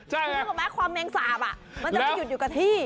ใช่ไหมคือความแมลงสาบอ่ะมันจะไม่หยุดอยู่กับที่